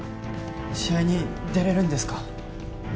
試合に出れるんですか？